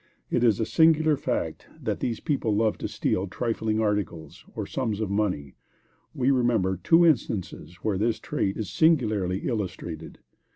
It is a singular fact that these people love to steal trifling articles, or, sums of money. We remember two instances where this trait is singularly illustrated.